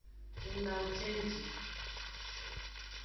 Ng nawo cenji.